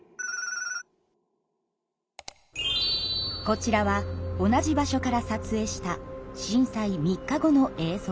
こちらは同じ場所から撮影した震災３日後の映像です。